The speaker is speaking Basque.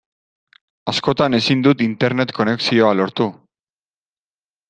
Askotan ezin dut Internet konexioa lortu.